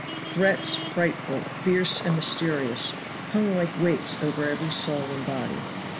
Threats frightful, fierce and mysterious hung like weights over every soul and body.